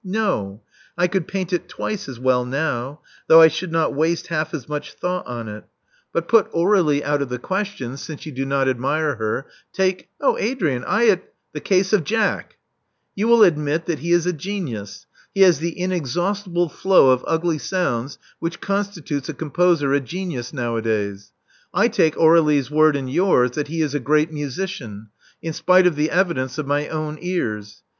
No: I could paint it twice as well now, though I should not waste half as much thought on it. But put Aur^lie Love Among the Artists 387 out of the question, since you do not admire her. Take *' 0h, Adrian, I ad "— the case of Jack. You will admit that he is a genius : he has the inexhaustible flow of ugly sounds which constitutes a composer a genius nowadays. I take Aurdlie's word and yours that he is a great musician, in spite of the evidence of my own ears.